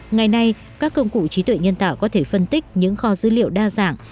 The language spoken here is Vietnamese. ngày nay các công cụ trí tuệ nhân tạo có thể phân tích những kho dữ liệu đa dạng